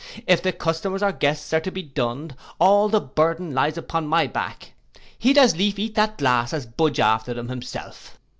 If the customers or guests are to be dunned, all the burthen lies upon my back, he'd as lief eat that glass as budge after them himself.